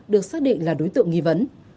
được xác định là đối tượng nghi vấn